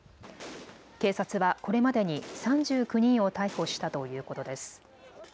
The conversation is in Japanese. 警察はこれまでに３９人を逮捕したということです。